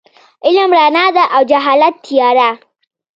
علم رڼا ده او جهالت تیاره.